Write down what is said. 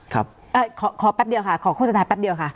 ขอแป๊บเดียวค่ะขอโฆษณาแป๊บเดียวค่ะ